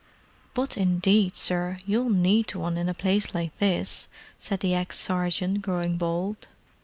"But indeed, sir, you'll need one, in a place like this," said the ex sergeant, growing bold.